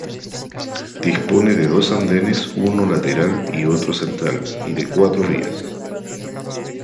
Dispone de dos andenes uno lateral y otro central y de cuatro vías.